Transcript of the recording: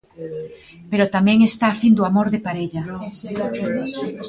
Pero tamén está a fin do amor de parella.